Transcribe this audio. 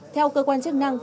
theo cơ quan chức năng